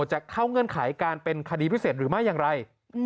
จะเข้าเงื่อนไขการเป็นคดีพิเศษหรือไม่อย่างไร